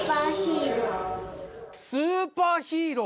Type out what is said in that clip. スーパーヒーロー。